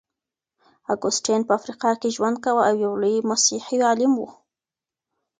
اګوستين په افریقا کي ژوند کاوه او يو لوی مسيحي عالم و.